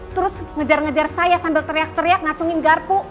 terus ngejar ngejar saya sambil teriak teriak ngacungin garpu